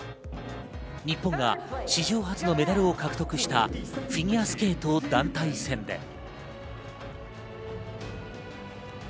日本が史上初のメダルを獲得したフィギュアスケート団体戦で。